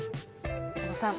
小野さん